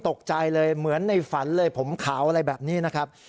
ตกใจเลยเหมือนในฝันเลยผมขาวอะไรแบบนี้นะครับ